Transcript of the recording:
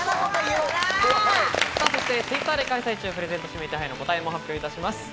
そしてＴｗｉｔｔｅｒで開催中、プレゼント指名手配の答えも発表いたします。